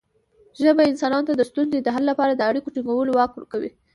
ژبه انسانانو ته د ستونزو د حل لپاره د اړیکو ټینګولو واک ورکوي.